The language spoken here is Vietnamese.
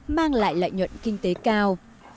mang lại lợi nhuận kinh tế cao